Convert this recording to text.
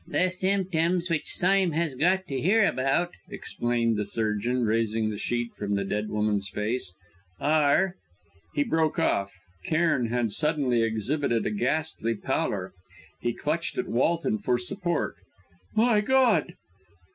"The symptoms which Sime has got to hear about," explained the surgeon, raising the sheet from the dead woman's face, "are " He broke off. Cairn had suddenly exhibited a ghastly pallor; he clutched at Walton for support. "My God!"